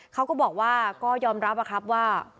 เขาก็บอกว่าก็ยอมรับครับว่า